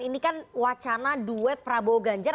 ini kan wacana duet prabowo ganjar